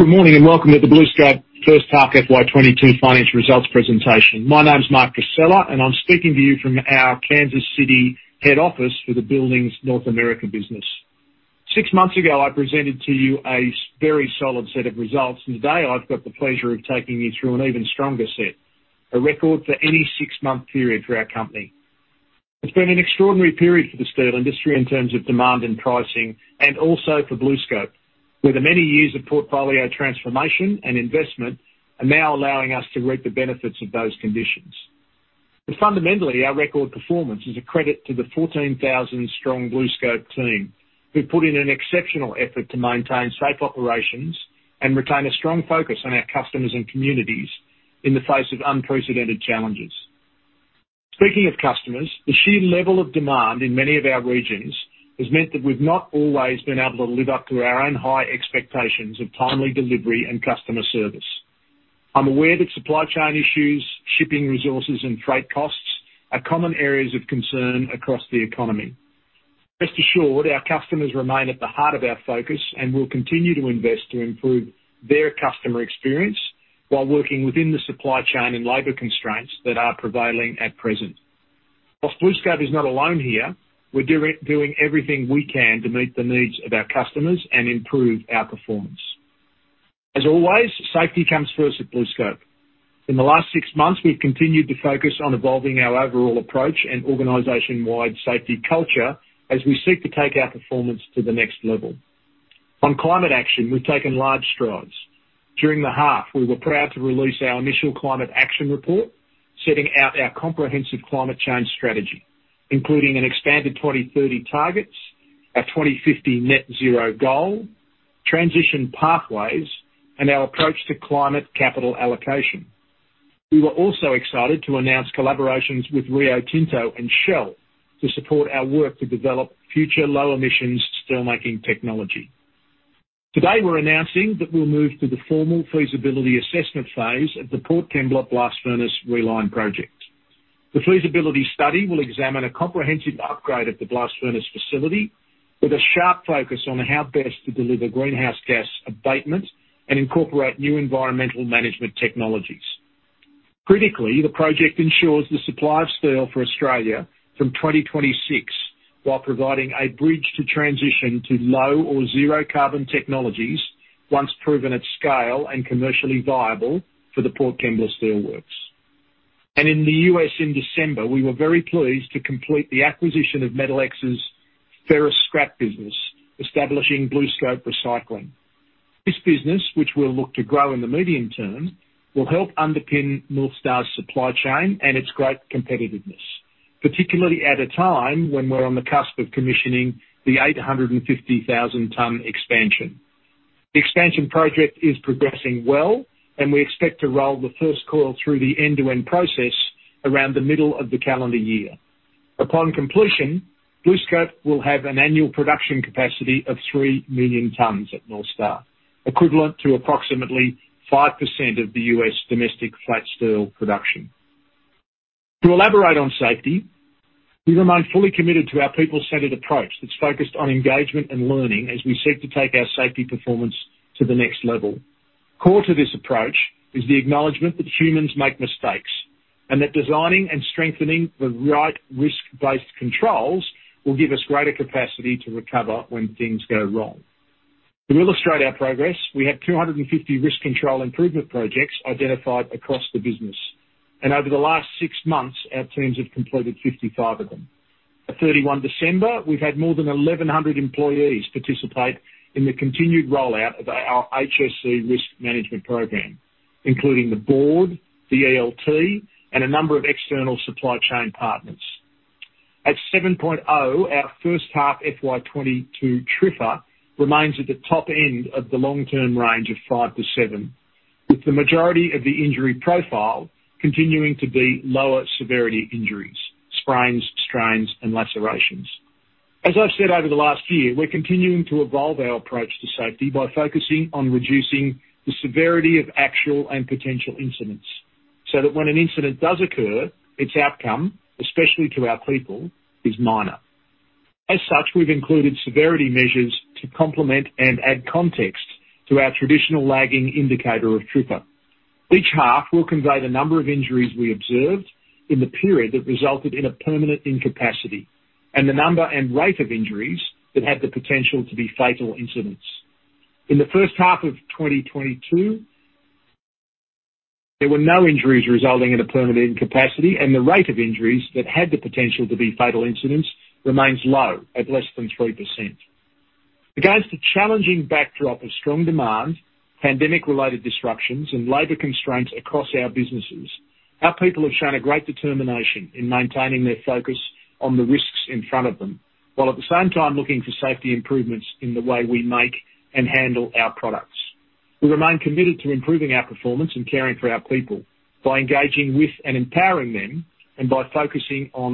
Good morning, and welcome to the BlueScope First Half FY 2022 Financial Results Presentation. My name is Mark Vassella, and I'm speaking to you from our Kansas City head office for the Buildings North America business. Six months ago, I presented to you a very solid set of results, and today I've got the pleasure of taking you through an even stronger set, a record for any six-month period for our company. It's been an extraordinary period for the steel industry in terms of demand and pricing, and also for BlueScope, where the many years of portfolio transformation and investment are now allowing us to reap the benefits of those conditions. Fundamentally, our record performance is a credit to the 14,000-strong BlueScope team, who put in an exceptional effort to maintain safe operations and retain a strong focus on our customers and communities in the face of unprecedented challenges. Speaking of customers, the sheer level of demand in many of our regions has meant that we've not always been able to live up to our own high expectations of timely delivery and customer service. I'm aware that supply chain issues, shipping resources, and freight costs are common areas of concern across the economy. Rest assured, our customers remain at the heart of our focus, and we'll continue to invest to improve their customer experience while working within the supply chain and labor constraints that are prevailing at present. While BlueScope is not alone here, we're doing everything we can to meet the needs of our customers and improve our performance. As always, safety comes first at BlueScope. In the last six months, we've continued to focus on evolving our overall approach and organization-wide safety culture as we seek to take our performance to the next level. On climate action, we've taken large strides. During the half, we were proud to release our initial climate action report, setting out our comprehensive climate change strategy, including an expanded 2030 targets, a 2050 net zero goal, transition pathways, and our approach to climate capital allocation. We were also excited to announce collaborations with Rio Tinto and Shell to support our work to develop future low-emissions steel-making technology. Today, we're announcing that we'll move to the formal feasibility assessment phase at the Port Kembla Blast Furnace Reline project. The feasibility study will examine a comprehensive upgrade of the blast furnace facility with a sharp focus on how best to deliver greenhouse gas abatement and incorporate new environmental management technologies. Critically, the project ensures the supply of steel for Australia from 2026, while providing a bridge to transition to low or zero carbon technologies once proven at scale and commercially viable for the Port Kembla Steel Works. In the U.S. in December, we were very pleased to complete the acquisition of MetalX's ferrous scrap business, establishing BlueScope Recycling. This business, which we'll look to grow in the medium term, will help underpin North Star's supply chain and its great competitiveness, particularly at a time when we're on the cusp of commissioning the 850,000 ton expansion. The expansion project is progressing well, and we expect to roll the first coil through the end-to-end process around the middle of the calendar year. Upon completion, BlueScope will have an annual production capacity of 3 million tons at North Star, equivalent to approximately 5% of the U.S. domestic flat steel production. To elaborate on safety, we remain fully committed to our people-centered approach that's focused on engagement and learning as we seek to take our safety performance to the next level. Core to this approach is the acknowledgement that humans make mistakes, and that designing and strengthening the right risk-based controls will give us greater capacity to recover when things go wrong. To illustrate our progress, we have 250 risk control improvement projects identified across the business, and over the last six months, our teams have completed 55 of them. at 31 December, we've had more than 1,100 employees participate in the continued rollout of our HSE risk management program, including the board, the ELT, and a number of external supply chain partners. At 7.0, our first half FY 2022 TRIFR remains at the top end of the long-term range of five to seven, with the majority of the injury profile continuing to be lower severity injuries, sprains, strains, and lacerations. As I've said over the last year, we're continuing to evolve our approach to safety by focusing on reducing the severity of actual and potential incidents, so that when an incident does occur, its outcome, especially to our people, is minor. As such, we've included severity measures to complement and add context to our traditional lagging indicator of TRIFR. Each half will convey the number of injuries we observed in the period that resulted in a permanent incapacity, and the number and rate of injuries that had the potential to be fatal incidents. In the first half of 2022, there were no injuries resulting in a permanent incapacity, and the rate of injuries that had the potential to be fatal incidents remains low at less than 3%. Against a challenging backdrop of strong demand, pandemic-related disruptions, and labor constraints across our businesses, our people have shown a great determination in maintaining their focus on the risks in front of them, while at the same time looking for safety improvements in the way we make and handle our products. We remain committed to improving our performance and caring for our people by engaging with and empowering them, and by focusing our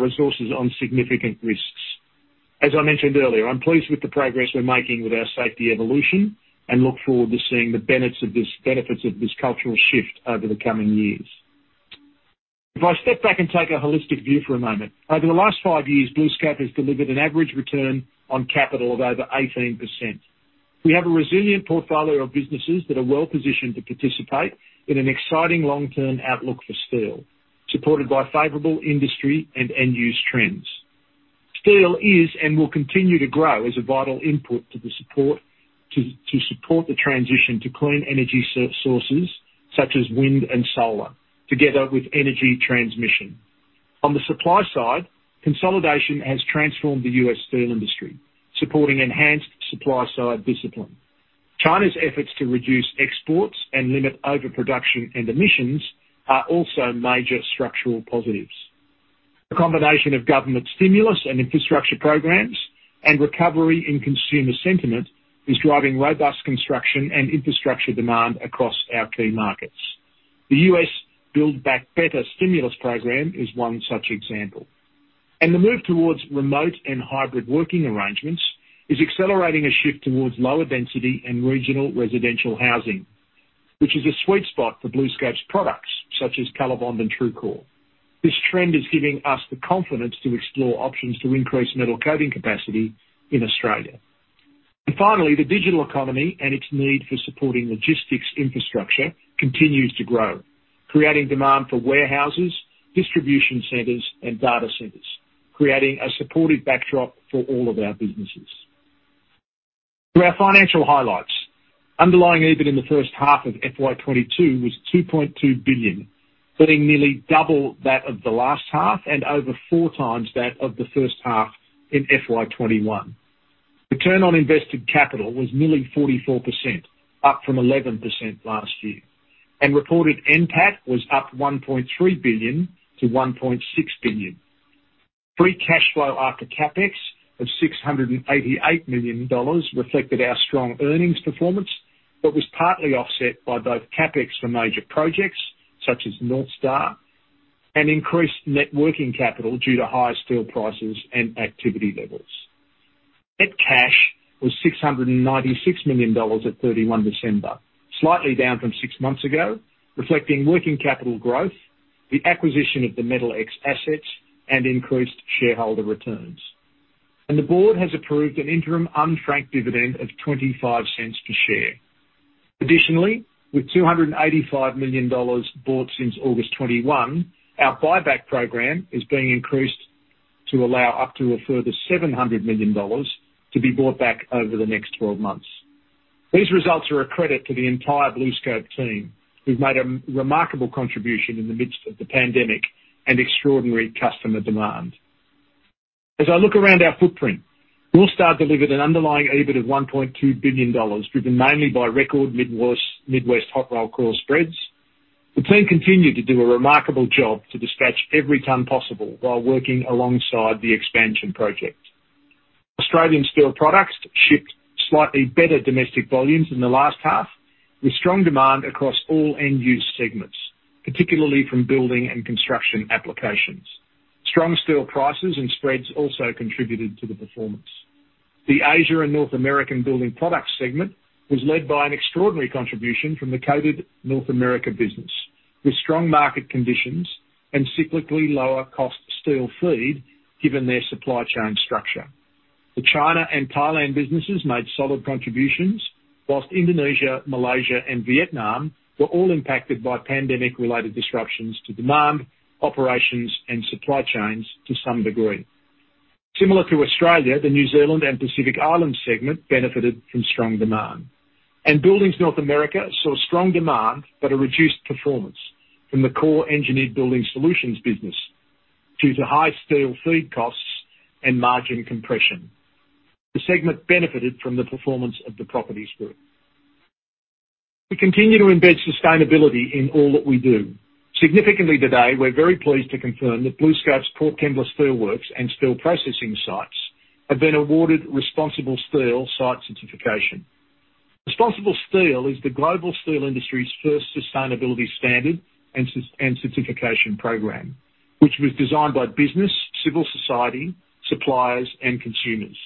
resources on significant risks. As I mentioned earlier, I'm pleased with the progress we're making with our safety evolution and look forward to seeing the benefits of this cultural shift over the coming years. If I step back and take a holistic view for a moment, over the last five years, BlueScope has delivered an average return on capital of over 18%. We have a resilient portfolio of businesses that are well-positioned to participate in an exciting long-term outlook for steel, supported by favorable industry and end-use trends. Steel is and will continue to grow as a vital input to support the transition to clean energy sources, such as wind and solar, together with energy transmission. On the supply side, consolidation has transformed the U.S. steel industry, supporting enhanced supply-side discipline. China's efforts to reduce exports and limit overproduction and emissions are also major structural positives. The combination of government stimulus and infrastructure programs and recovery in consumer sentiment is driving robust construction and infrastructure demand across our key markets. The U.S. Build Back Better stimulus program is one such example. The move towards remote and hybrid working arrangements is accelerating a shift towards lower density and regional residential housing, which is a sweet spot for BlueScope's products, such as COLORBOND and TRUECORE. This trend is giving us the confidence to explore options to increase metal coating capacity in Australia. Finally, the digital economy and its need for supporting logistics infrastructure continues to grow, creating demand for warehouses, distribution centers, and data centers, creating a supportive backdrop for all of our businesses. To our financial highlights. Underlying EBIT in the first half of FY 2022 was 2.2 billion, putting nearly double that of the last half and over 4x that of the first half in FY 2021. Return on invested capital was nearly 44%, up from 11% last year. Reported NPAT was up 1.3 billion-1.6 billion. Free cash flow after CapEx of 688 million dollars reflected our strong earnings performance, but was partly offset by both CapEx for major projects such as North Star and increased net working capital due to higher steel prices and activity levels. Net cash was 696 million dollars at 31 December, slightly down from six months ago, reflecting working capital growth, the acquisition of the MetalX assets, and increased shareholder returns. The board has approved an interim unfranked dividend of 0.25 per share. Additionally, with AUD 285 million bought since August 2021, our buyback program is being increased to allow up to a further 700 million dollars to be bought back over the next 12 months. These results are a credit to the entire BlueScope team, who've made a remarkable contribution in the midst of the pandemic and extraordinary customer demand. As I look around our footprint, BlueScope delivered an underlying EBIT of 1.2 billion dollars, driven mainly by record Midwest hot rolled coil spreads. The team continued to do a remarkable job to dispatch every ton possible while working alongside the expansion project. Australian Steel Products shipped slightly better domestic volumes in the last half, with strong demand across all end-use segments, particularly from building and construction applications. Strong steel prices and spreads also contributed to the performance. The Asia and North America Building Products Segment was led by an extraordinary contribution from the Coated North America business, with strong market conditions and cyclically lower cost steel feed given their supply chain structure. The China and Thailand businesses made solid contributions, while Indonesia, Malaysia, and Vietnam were all impacted by pandemic-related disruptions to demand, operations, and supply chains to some degree. Similar to Australia, the New Zealand and Pacific Islands segment benefited from strong demand. Buildings North America saw strong demand but a reduced performance from the core engineered building solutions business due to high steel feed costs and margin compression. The segment benefited from the performance of the Properties Group. We continue to embed sustainability in all that we do. Significantly today, we're very pleased to confirm that BlueScope's Port Kembla Steelworks and steel processing sites have been awarded ResponsibleSteel site certification. ResponsibleSteel is the global steel industry's first sustainability standard and certification program, which was designed by business, civil society, suppliers, and consumers.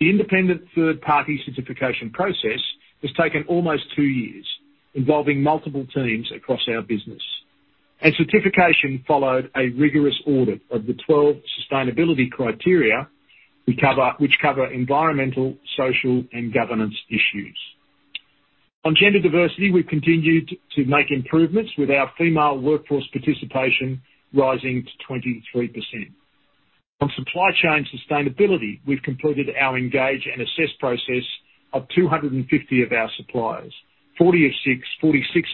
The independent third-party certification process has taken almost two years, involving multiple teams across our business, and certification followed a rigorous audit of the 12 sustainability criteria, which cover environmental, social, and governance issues. On gender diversity, we've continued to make improvements with our female workforce participation rising to 23%. On supply chain sustainability, we've completed our engage and assess process of 250 of our suppliers, 46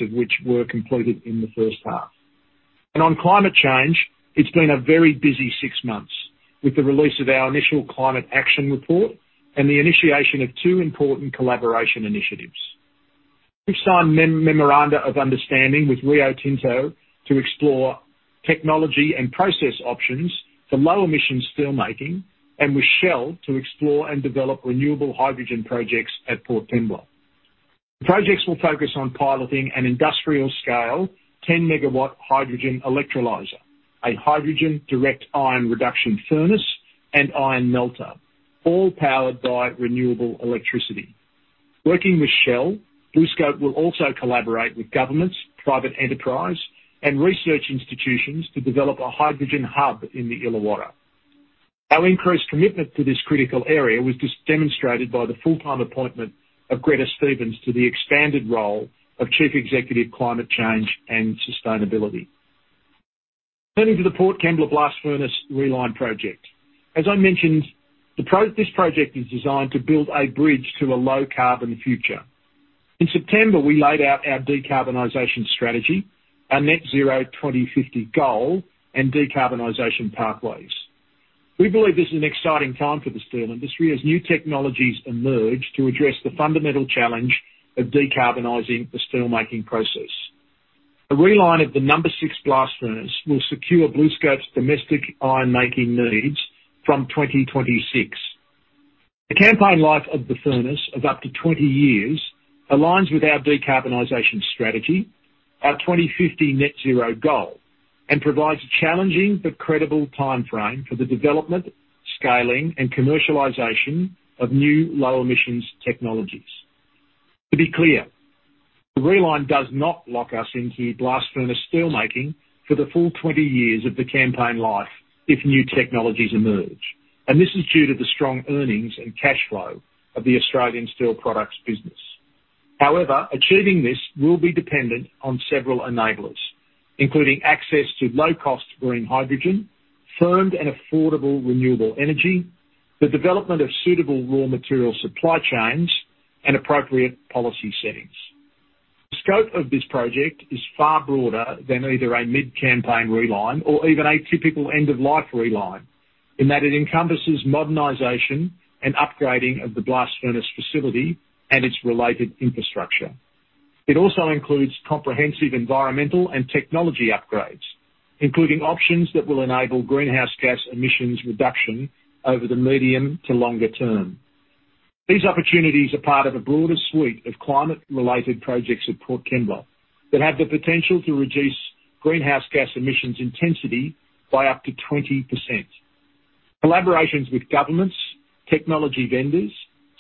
of which were completed in the first half. On climate change, it's been a very busy six months with the release of our initial climate action report and the initiation of two important collaboration initiatives. We've signed memoranda of understanding with Rio Tinto to explore technology and process options for low-emissions steelmaking and with Shell to explore and develop renewable hydrogen projects at Port Kembla. The projects will focus on piloting an industrial-scale 10 MW hydrogen electrolyzer, a hydrogen direct iron reduction furnace, and iron melter, all powered by renewable electricity. Working with Shell, BlueScope will also collaborate with governments, private enterprise, and research institutions to develop a hydrogen hub in the Illawarra. Our increased commitment to this critical area was just demonstrated by the full-time appointment of Gretta Stephens to the expanded role of Chief Executive Climate Change and Sustainability. Turning to the Port Kembla Blast Furnace Reline project. As I mentioned, the project is designed to build a bridge to a low-carbon future. In September, we laid out our decarbonization strategy, our net zero 2050 goal, and decarbonization pathways. We believe this is an exciting time for the steel industry as new technologies emerge to address the fundamental challenge of decarbonizing the steelmaking process. A reline of the number 6 blast furnace will secure BlueScope's domestic ironmaking needs from 2026. The campaign life of the furnace of up to 20 years aligns with our decarbonization strategy, our 2050 net zero goal, and provides a challenging but credible timeframe for the development, scaling, and commercialization of new low-emissions technologies. To be clear, the reline does not lock us into blast furnace steelmaking for the full 20 years of the campaign life if new technologies emerge, and this is due to the strong earnings and cash flow of the Australian Steel Products business. However, achieving this will be dependent on several enablers, including access to low-cost green hydrogen, firmed and affordable renewable energy, the development of suitable raw material supply chains, and appropriate policy settings. The scope of this project is far broader than either a mid-campaign reline or even a typical end-of-life reline, in that it encompasses modernization and upgrading of the blast furnace facility and its related infrastructure. It also includes comprehensive environmental and technology upgrades, including options that will enable greenhouse gas emissions reduction over the medium to longer term. These opportunities are part of a broader suite of climate-related projects at Port Kembla that have the potential to reduce greenhouse gas emissions intensity by up to 20%. Collaborations with governments, technology vendors,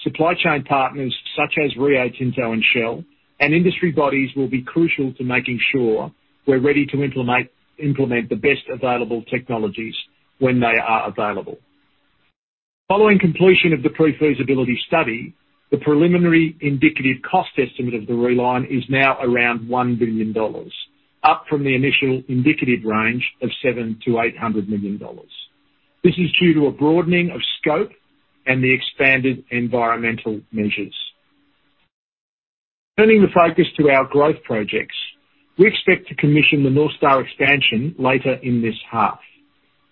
supply chain partners such as Rio Tinto and Shell, and industry bodies will be crucial to making sure we're ready to implement the best available technologies when they are available. Following completion of the pre-feasibility study, the preliminary indicative cost estimate of the reline is now around 1 billion dollars, up from the initial indicative range of 700 million-800 million dollars. This is due to a broadening of scope and the expanded environmental measures. Turning the focus to our growth projects. We expect to commission the North Star expansion later in this half.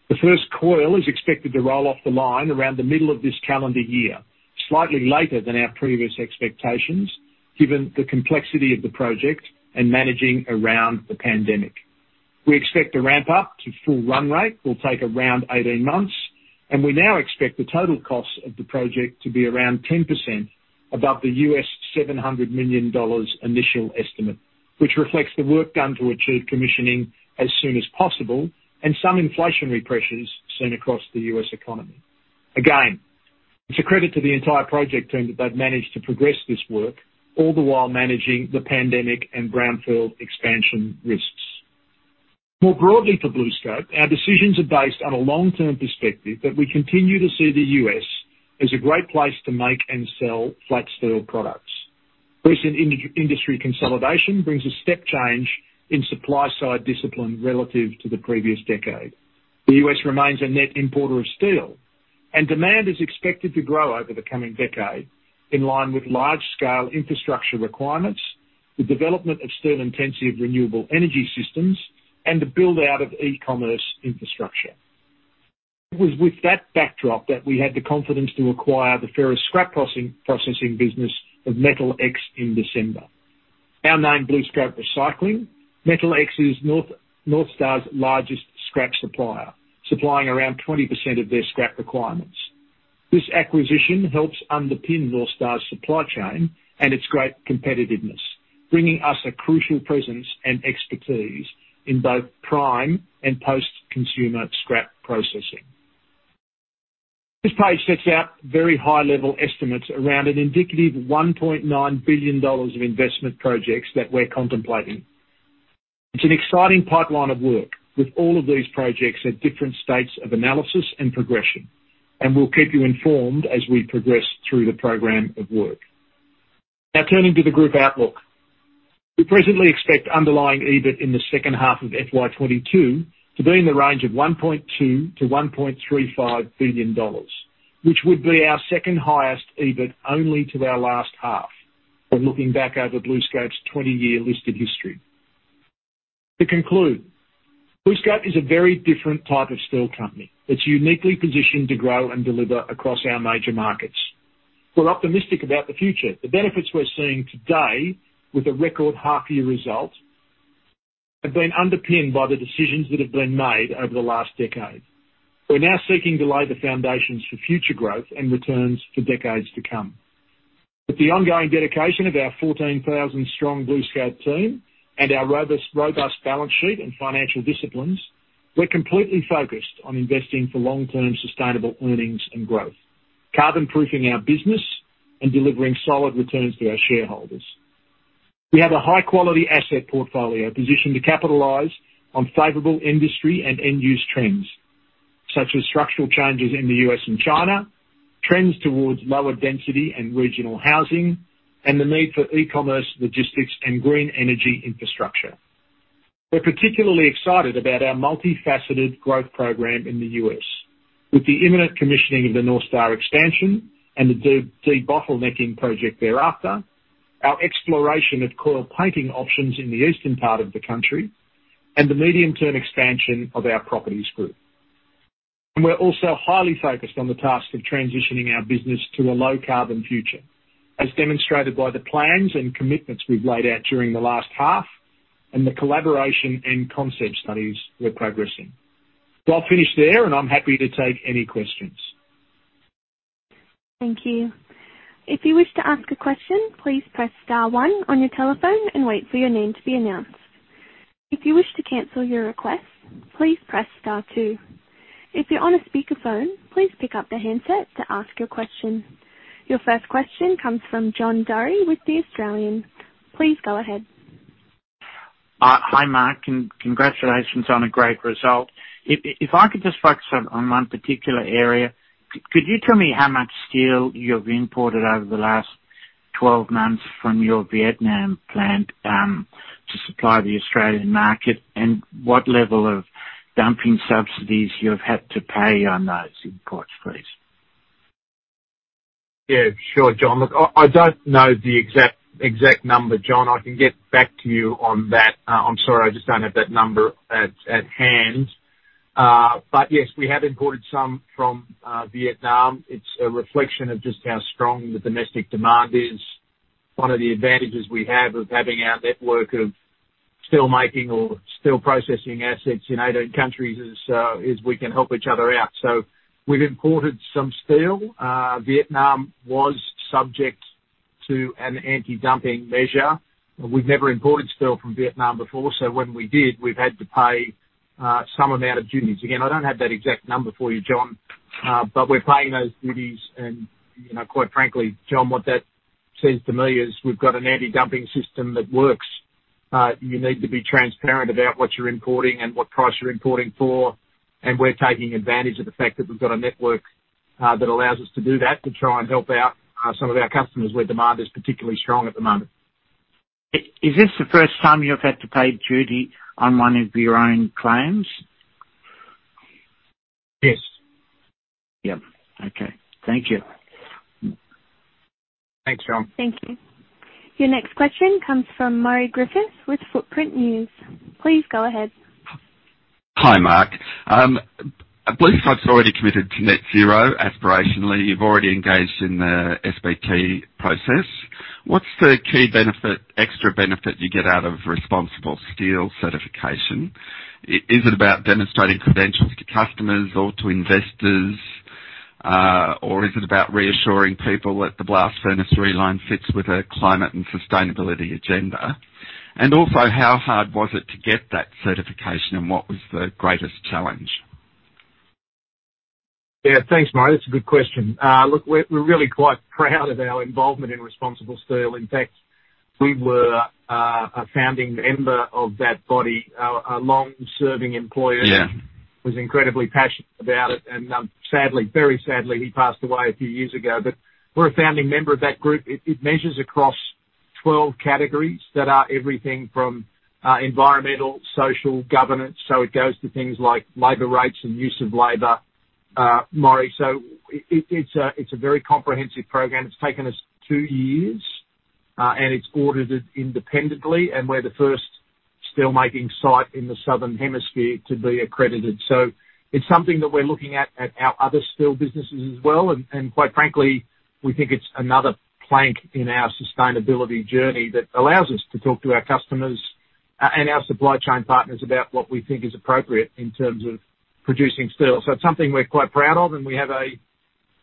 The first coil is expected to roll off the line around the middle of this calendar year, slightly later than our previous expectations, given the complexity of the project and managing around the pandemic. We expect the ramp-up to full run rate will take around 18 months, and we now expect the total cost of the project to be around 10% above the U.S. $700 million initial estimate, which reflects the work done to achieve commissioning as soon as possible and some inflationary pressures seen across the U.S. economy. Again, it's a credit to the entire project team that they've managed to progress this work, all the while managing the pandemic and brownfield expansion risks. More broadly for BlueScope, our decisions are based on a long-term perspective that we continue to see the U.S. as a great place to make and sell flat steel products. Recent industry consolidation brings a step change in supply-side discipline relative to the previous decade. The U.S. remains a net importer of steel, and demand is expected to grow over the coming decade in line with large-scale infrastructure requirements, the development of steel-intensive renewable energy systems, and the build-out of e-commerce infrastructure. It was with that backdrop that we had the confidence to acquire the ferrous scrap processing business of MetalX in December. Our name, BlueScope Recycling. MetalX is North Star's largest scrap supplier, supplying around 20% of their scrap requirements. This acquisition helps underpin North Star's supply chain and its great competitiveness, bringing us a crucial presence and expertise in both prime and post-consumer scrap processing. This page sets out very high-level estimates around an indicative $1.9 billion of investment projects that we're contemplating. It's an exciting pipeline of work with all of these projects at different states of analysis and progression, and we'll keep you informed as we progress through the program of work. Now turning to the group outlook. We presently expect underlying EBIT in the second half of FY 2022 to be in the range of 1.2 billion-1.35 billion dollars, which would be our second-highest EBIT only to our last half, when looking back over BlueScope's 20-year listed history. To conclude, BlueScope is a very different type of steel company that's uniquely positioned to grow and deliver across our major markets. We're optimistic about the future. The benefits we're seeing today with a record half-year result have been underpinned by the decisions that have been made over the last decade. We're now seeking to lay the foundations for future growth and returns for decades to come. With the ongoing dedication of our 14,000-strong BlueScope team and our robust balance sheet and financial disciplines. We're completely focused on investing for long-term sustainable earnings and growth, carbon-proofing our business and delivering solid returns to our shareholders. We have a high-quality asset portfolio positioned to capitalize on favorable industry and end-use trends, such as structural changes in the U.S. and China, trends towards lower density and regional housing, and the need for e-commerce, logistics, and green energy infrastructure. We're particularly excited about our multifaceted growth program in the U.S., with the imminent commissioning of the North Star expansion and the de-bottlenecking project thereafter, our exploration of coil painting options in the eastern part of the country, and the medium-term expansion of our Properties Group. We're also highly focused on the task of transitioning our business to a low-carbon future, as demonstrated by the plans and commitments we've laid out during the last half and the collaboration and concept studies we're progressing. I'll finish there, and I'm happy to take any questions. Thank you. If you wish to ask a question, please press star one on your telephone and wait for your name to be announced. If you wish to cancel your request, please press star two. If you're on a speakerphone, please pick up the handset to ask your question. Your first question comes from John Durie with The Australian. Please go ahead. Hi, Mark, and congratulations on a great result. If I could just focus on one particular area, could you tell me how much steel you've imported over the last 12 months from your Vietnam plant to supply the Australian market and what level of dumping subsidies you've had to pay on those imports, please? Yeah, sure, John. Look, I don't know the exact number, John. I can get back to you on that. I'm sorry, I just don't have that number at hand. Yes, we have imported some from Vietnam. It's a reflection of just how strong the domestic demand is. One of the advantages we have of having our network of steel making or steel processing assets in 18 countries is we can help each other out. We've imported some steel. Vietnam was subject to an anti-dumping measure. We've never imported steel from Vietnam before, so when we did, we've had to pay some amount of duties. Again, I don't have that exact number for you, John, but we're paying those duties and, you know, quite frankly, John, what that says to me is we've got an anti-dumping system that works. You need to be transparent about what you're importing and what price you're importing for, and we're taking advantage of the fact that we've got a network that allows us to do that, to try and help out some of our customers where demand is particularly strong at the moment. Is this the first time you've had to pay duty on one of your own claims? Yes. Yep. Okay. Thank you. Thanks, John. Thank you. Your next question comes from Murray Griffiths with Footprint News. Please go ahead. Hi, Mark. BlueScope's already committed to net zero aspirationally. You've already engaged in the SBT process. What's the key benefit, extra benefit you get out of ResponsibleSteel certification? Is it about demonstrating credentials to customers or to investors? Or is it about reassuring people that the blast furnace reline fits with a climate and sustainability agenda? Also, how hard was it to get that certification, and what was the greatest challenge? Yeah. Thanks, Murray. That's a good question. Look, we're really quite proud of our involvement in ResponsibleSteel. In fact, we were a founding member of that body. Our long-serving employee- Yeah. Was incredibly passionate about it. Sadly, very sadly, he passed away a few years ago, but we're a founding member of that group. It measures across 12 categories that are everything from environmental, social, governance. It goes to things like labor rights and use of labor, Murray. It's a very comprehensive program. It's taken us two years, and it's audited independently, and we're the first steel making site in the Southern Hemisphere to be accredited. It's something that we're looking at our other steel businesses as well, and quite frankly, we think it's another plank in our sustainability journey that allows us to talk to our customers and our supply chain partners about what we think is appropriate in terms of producing steel. It's something we're quite proud of, and we have a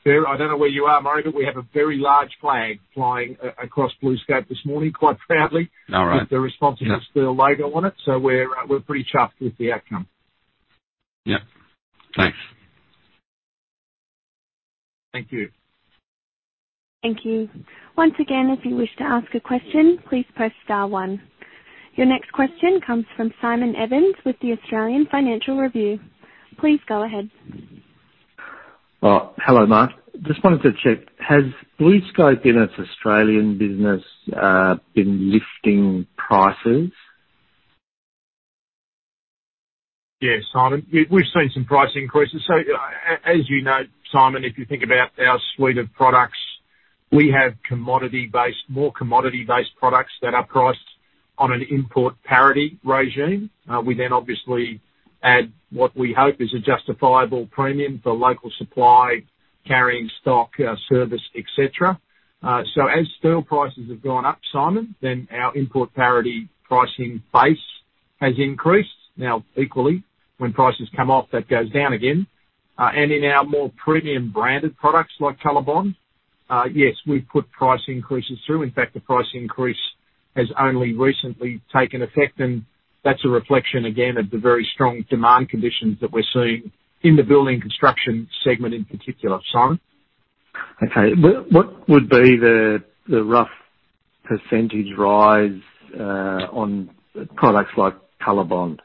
very... I don't know where you are, Murray, but we have a very large flag flying across BlueScope this morning, quite proudly. All right. Yeah. with the ResponsibleSteel logo on it. We're pretty chuffed with the outcome. Yeah. Thanks. Thank you. Thank you. Once again, if you wish to ask a question, please press star one. Your next question comes from Simon Evans with the Australian Financial Review. Please go ahead. Hello, Mark. Just wanted to check, has BlueScope in its Australian business been lifting prices? Simon. We've seen some price increases. As you know, Simon, if you think about our suite of products, we have commodity-based, more commodity-based products that are priced on an import parity regime. We then obviously add what we hope is a justifiable premium for local supply, carrying stock, service, et cetera. As steel prices have gone up, Simon, then our import parity pricing base has increased. Now equally, when prices come off, that goes down again. In our more premium branded products, like COLORBOND®, yes, we've put price increases through. In fact, the price increase has only recently taken effect, and that's a reflection again of the very strong demand conditions that we're seeing in the building construction segment, in particular. Simon. Okay. What would be the rough percentage rise on products like COLORBOND®?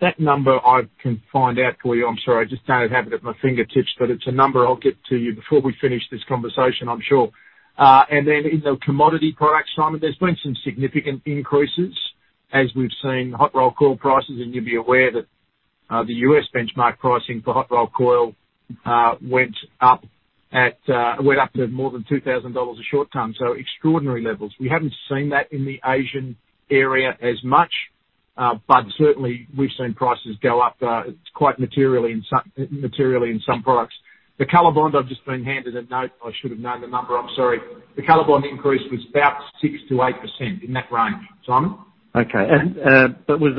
That number I can find out for you. I'm sorry. I just don't have it at my fingertips, but it's a number I'll get to you before we finish this conversation, I'm sure. In the commodity products, Simon, there's been some significant increases as we've seen hot rolled coil prices, and you'd be aware that the U.S. benchmark pricing for hot rolled coil went up to more than $2,000 a short ton, so extraordinary levels. We haven't seen that in the Asian area as much, but certainly we've seen prices go up quite materially in some products. The COLORBOND®, I've just been handed a note. I should have known the number. I'm sorry. The COLORBOND® increase was about 6%-8%, in that range. Simon? Okay. Was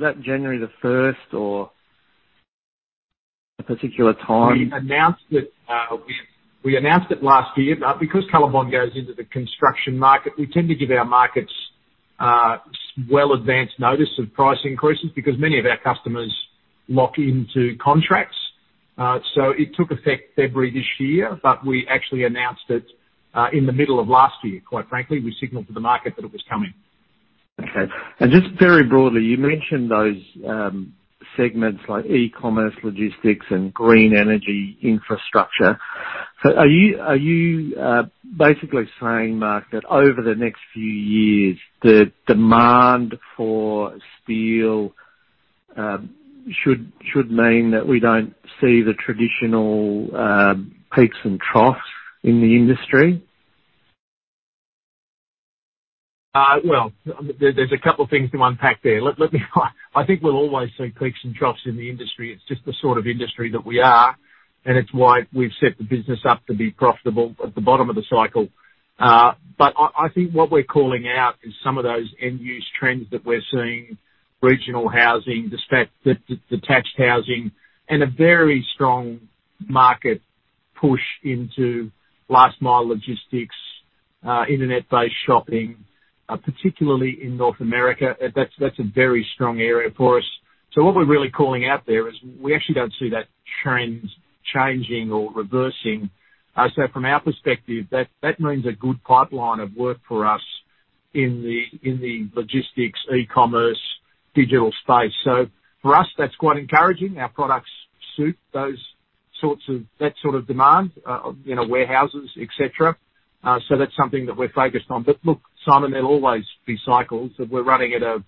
that January the first or a particular time? We announced it last year. Now because COLORBOND® goes into the construction market, we tend to give our markets well in advance notice of price increases because many of our customers lock into contracts. It took effect February this year, but we actually announced it in the middle of last year, quite frankly. We signaled to the market that it was coming. Okay. Just very broadly, you mentioned those segments like e-commerce, logistics and green energy infrastructure. Are you basically saying, Mark, that over the next few years, the demand for steel should mean that we don't see the traditional peaks and troughs in the industry? Well, there's a couple of things to unpack there. I think we'll always see peaks and troughs in the industry. It's just the sort of industry that we are, and it's why we've set the business up to be profitable at the bottom of the cycle. But I think what we're calling out is some of those end use trends that we're seeing, regional housing, detached housing, and a very strong market push into last mile logistics, Internet-based shopping, particularly in North America. That's a very strong area for us. What we're really calling out there is we actually don't see that trend changing or reversing. From our perspective, that means a good pipeline of work for us in the logistics, e-commerce, digital space. For us, that's quite encouraging. Our products suit that sort of demand, warehouses, et cetera. That's something that we're focused on. Look, Simon, there'll always be cycles. We're running at a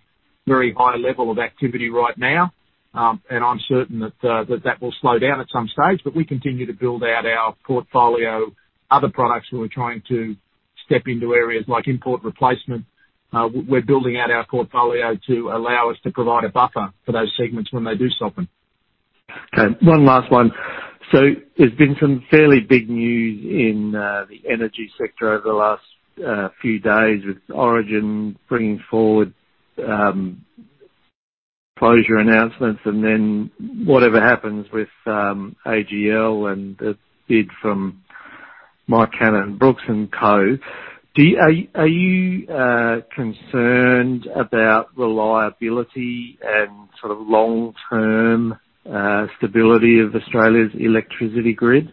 very high level of activity right now, and I'm certain that that will slow down at some stage. We continue to build out our portfolio, other products where we're trying to step into areas like import replacement. We're building out our portfolio to allow us to provide a buffer for those segments when they do soften. Okay. One last one. There's been some fairly big news in the energy sector over the last few days with Origin bringing forward closure announcements and then whatever happens with AGL and the bid from Mike Cannon-Brookes and co. Are you concerned about reliability and sort of long-term stability of Australia's electricity grid?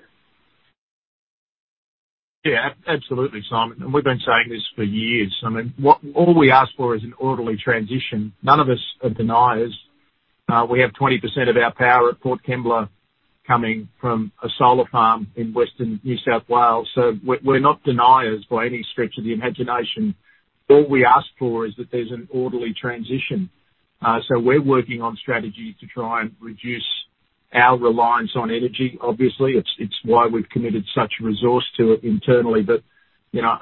Absolutely, Simon. We've been saying this for years. I mean, all we ask for is an orderly transition. None of us are deniers. We have 20% of our power at Port Kembla coming from a solar farm in Western New South Wales, so we're not deniers by any stretch of the imagination. All we ask for is that there's an orderly transition. We're working on strategy to try and reduce our reliance on energy. Obviously, it's why we've committed such resource to it internally. You know,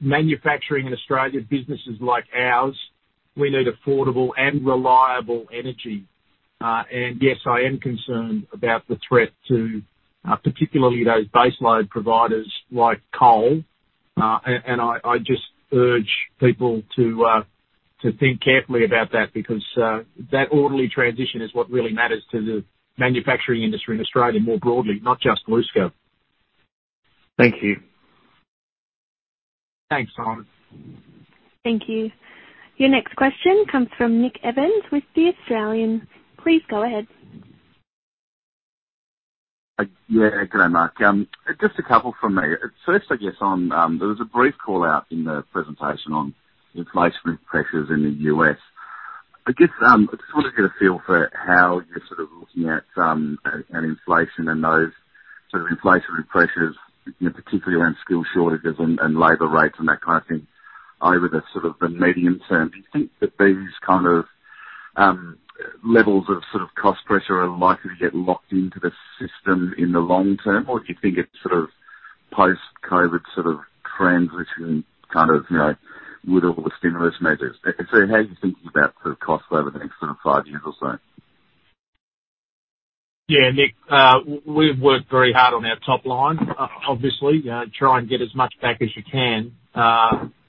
manufacturing in Australia, businesses like ours, we need affordable and reliable energy. Yes, I am concerned about the threat to particularly those baseload providers like coal. I just urge people to think carefully about that because that orderly transition is what really matters to the manufacturing industry in Australia more broadly, not just BlueScope. Thank you. Thanks, Simon. Thank you. Your next question comes from Nick Evans with The Australian. Please go ahead. Yeah. G'day, Mark. Just a couple from me. First, I guess on. There was a brief call out in the presentation on inflationary pressures in the U.S. I guess, I just wanna get a feel for how you're sort of looking at inflation and those sort of inflationary pressures, you know, particularly around skill shortages and labor rates and that kind of thing over the sort of the medium term. Do you think that these kind of levels of sort of cost pressure are likely to get locked into the system in the long term, or do you think it's sort of post-COVID sort of transitioning kind of, you know, with all the stimulus measures? So how are you thinking about the costs over the next sort of five years or so? Yeah, Nick, we've worked very hard on our top line. Obviously, try and get as much back as you can.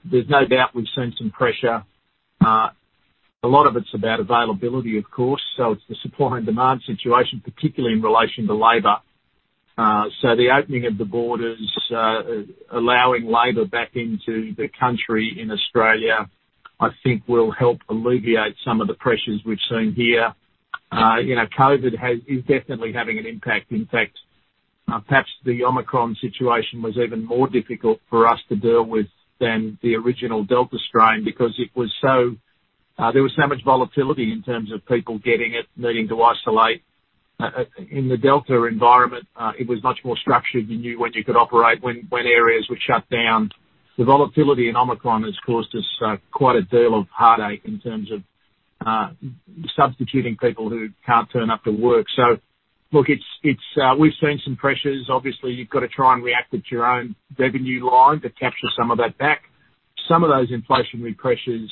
There's no doubt we've seen some pressure. A lot of it's about availability, of course. It's the supply and demand situation, particularly in relation to labor. The opening of the borders, allowing labor back into the country in Australia, I think will help alleviate some of the pressures we've seen here. You know, COVID is definitely having an impact. In fact, perhaps the Omicron situation was even more difficult for us to deal with than the original Delta strain because it was so, there was so much volatility in terms of people getting it, needing to isolate. In the Delta environment, it was much more structured. You knew when you could operate, when areas were shut down. The volatility in Omicron has caused us quite a deal of heartache in terms of substituting people who can't turn up to work. Look, we've seen some pressures. Obviously, you've gotta try and react with your own revenue line to capture some of that back. Some of those inflationary pressures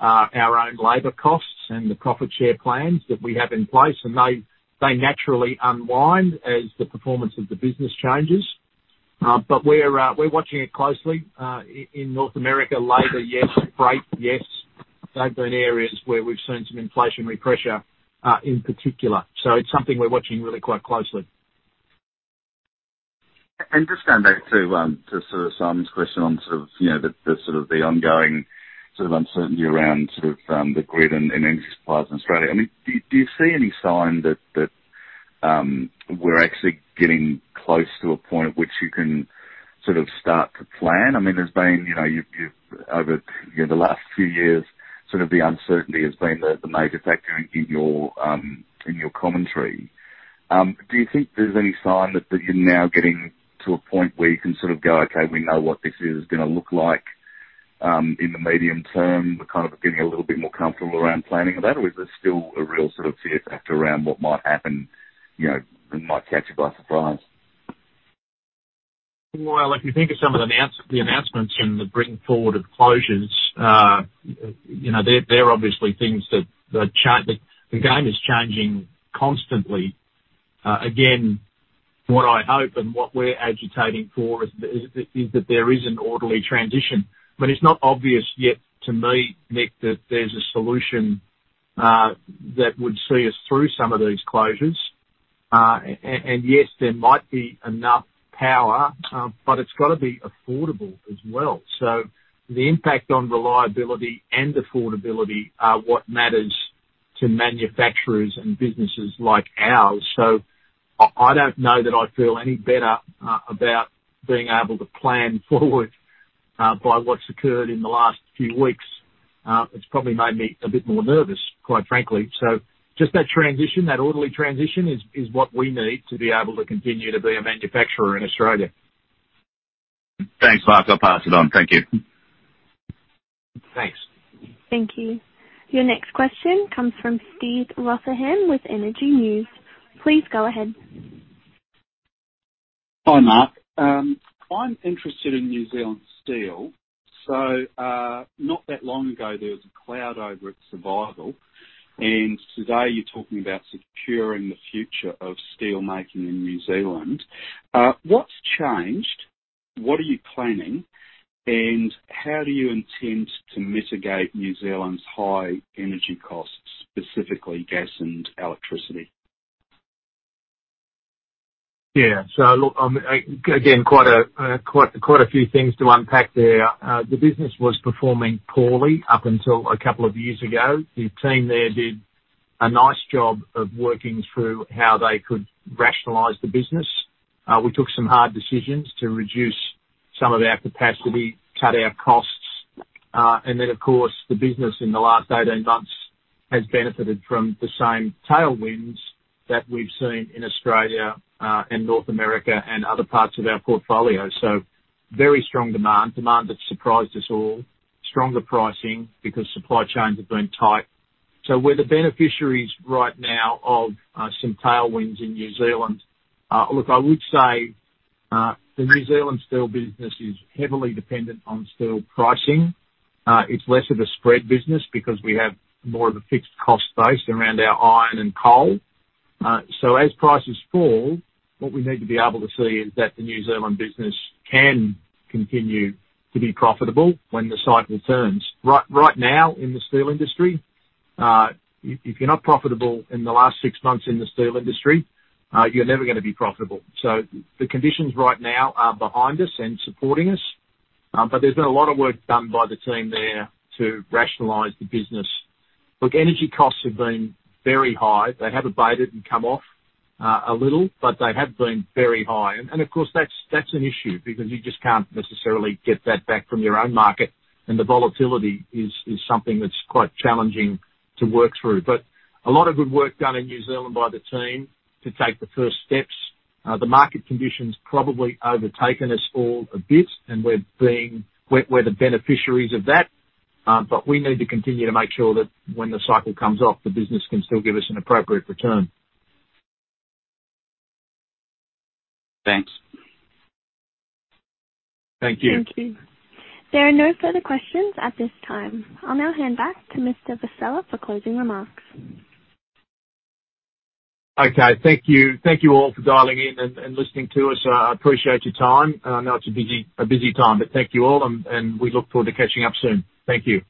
are our own labor costs and the profit share plans that we have in place, and they naturally unwind as the performance of the business changes. We're watching it closely in North America. Labor, yes. Freight, yes. They've been areas where we've seen some inflationary pressure in particular. It's something we're watching really quite closely. Just going back to sort of Simon's question on sort of, you know, the sort of the ongoing sort of uncertainty around the grid and energy supplies in Australia. I mean, do you see any sign that we're actually getting close to a point at which you can sort of start to plan? I mean, there's been, you know, you've over the last few years, sort of the uncertainty has been the major factor in your commentary. Do you think there's any sign that you're now getting to a point where you can sort of go, "Okay, we know what this is gonna look like in the medium term." We're kind of getting a little bit more comfortable around planning of that? Is there still a real sort of fear factor around what might happen, you know, that might catch you by surprise? Well, if you think of some of the announcements and the bringing forward of closures, you know, they're obviously things, the game is changing constantly. Again, what I hope and what we're agitating for is that there is an orderly transition. It's not obvious yet to me, Nick, that there's a solution that would see us through some of these closures. Yes, there might be enough power, but it's gotta be affordable as well. The impact on reliability and affordability are what matters to manufacturers and businesses like ours. I don't know that I'd feel any better about being able to plan forward by what's occurred in the last few weeks. It's probably made me a bit more nervous, quite frankly. Just that transition, that orderly transition is what we need to be able to continue to be a manufacturer in Australia. Thanks, Mark. I'll pass it on. Thank you. Thanks. Thank you. Your next question comes from Steve Rotherham with Energy News. Please go ahead. Hi, Mark. I'm interested in New Zealand Steel. Not that long ago, there was a cloud over its survival, and today you're talking about securing the future of steel making in New Zealand. What's changed? What are you planning? And how do you intend to mitigate New Zealand's high energy costs, specifically gas and electricity? Yeah. Look, again, quite a few things to unpack there. The business was performing poorly up until a couple of years ago. The team there did a nice job of working through how they could rationalize the business. We took some hard decisions to reduce some of our capacity, cut our costs. Of course, the business in the last 18 months has benefited from the same tailwinds that we've seen in Australia, and North America and other parts of our portfolio. Very strong demand that surprised us all. Stronger pricing because supply chains have been tight. We're the beneficiaries right now of some tailwinds in New Zealand. Look, I would say, the New Zealand Steel business is heavily dependent on steel pricing. It's less of a spread business because we have more of a fixed cost base around our iron and coal. So as prices fall, what we need to be able to see is that the New Zealand business can continue to be profitable when the cycle turns. Right now in the steel industry, you know, profitable in the last six months in the steel industry, you're never gonna be profitable. The conditions right now are behind us and supporting us, but there's been a lot of work done by the team there to rationalize the business. Look, energy costs have been very high. They have abated and come off a little, but they have been very high. Of course, that's an issue because you just can't necessarily get that back from your own market, and the volatility is something that's quite challenging to work through. A lot of good work done in New Zealand by the team to take the first steps. The market conditions probably overtaken us all a bit, and we're the beneficiaries of that, but we need to continue to make sure that when the cycle comes off, the business can still give us an appropriate return. Thanks. Thank you. Thank you. There are no further questions at this time. I'll now hand back to Mr. Vassella for closing remarks. Okay, thank you. Thank you all for dialing in and listening to us. I appreciate your time, and I know it's a busy time, but thank you all and we look forward to catching up soon. Thank you.